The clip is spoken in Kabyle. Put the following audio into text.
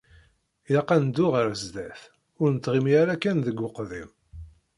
Ilaq ad neddu ɣer sdat, ur nettɣimi ara kan deg uqdim.